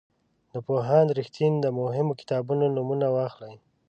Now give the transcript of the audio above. د پوهاند رښتین د مهمو کتابونو نومونه واخلئ.